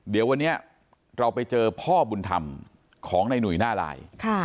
เดี๋ยววันนี้เราไปเจอพ่อบุญธรรมของในหนุ่ยหน้าลาย